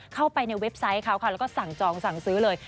เข้าไปในเว็บไซต์เขาค่ะแล้วก็สั่งจองสั่งซื้อเลย